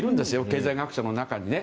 経済学者の中にはね。